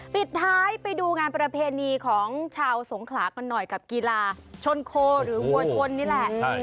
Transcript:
ปิดท้ายไปดูงานประเพณีของชาวสงขลากันหน่อยกับกีฬาชนโคหรือวัวชนนี่แหละ